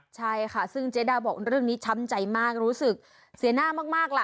ใช่ค่ะซึ่งเจ๊ดาบอกเรื่องนี้ช้ำใจมากรู้สึกเสียหน้ามากล่ะ